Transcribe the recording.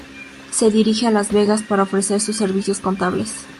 Se dirige a Las Vegas para ofrecer sus servicios contables.